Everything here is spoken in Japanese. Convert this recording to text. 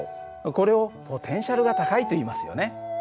これを「ポテンシャルが高い」といいますよね。